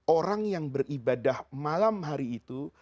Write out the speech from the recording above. orang yang beribadah malam hari itu